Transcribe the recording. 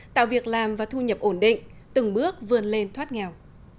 tạo việc làm và thu nhập ổn định từng bước vươn lên thoát nghèo